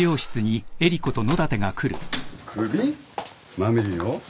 マミリンを？